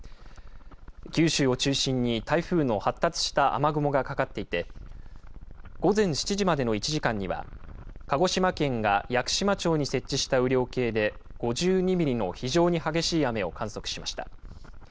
九州を中心に台風の発達した雨雲がかかっていて、午前７時までの１時間には、鹿児島県が屋久島町に設置した雨量計で５２ミリの非常に激しい雨を観測しました。